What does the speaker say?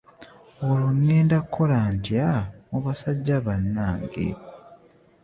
Olwo ŋŋenda kukola ntya mu basajja bannange?